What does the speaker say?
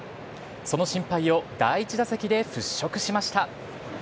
その心配を第１打席で払拭しました。